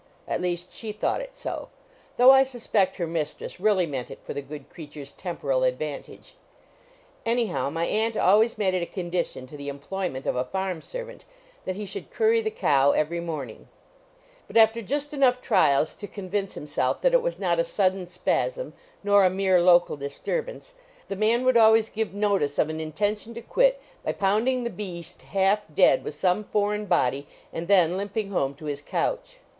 At least she thought it so; though I suspect her mistress really meant it for the good creature's temporal advantage. Anyhow my aunt always made it a condition to the employment of a farm servant that he should curry the cow every morning; but after just enough trials to convince himself that it was not a sudden spasm, nor a mere local disturbance, the man would always give notice of an intention to quit, by pounding the beast half dead with some foreign body and then limping home to his couch.